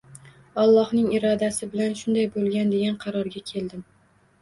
Ollohning irodasi bilan shunday bo`lgan degan qarorga keldim